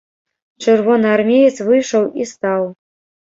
Чырвонаармеец выйшаў і стаў.